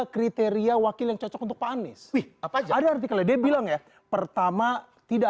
kriteria wakil yang cocok untuk pak anies wih apa ada artikelnya dia bilang ya pertama tidak